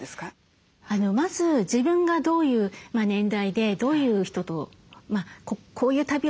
まず自分がどういう年代でどういう人とこういう旅をしたい。